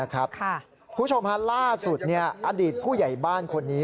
คุณผู้ชมภาคล่าสสุดอันดิษฐ์ผู้ใหญ่บ้านคนนี้